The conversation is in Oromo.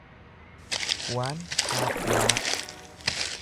Waan faailaa.